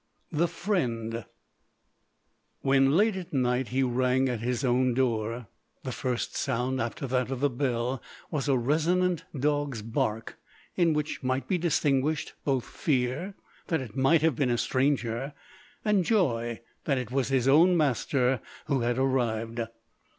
THE FRIEND When late at night he rang at his own door, the first sound after that of the bell was a resonant dog"s bark, in which might be distinguished both fear that it might have been a stranger, and joy that it was his own master, who had arrived.